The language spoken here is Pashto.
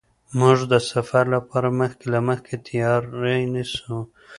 موږ د سفر لپاره مخکې له مخکې تیاری نیسو.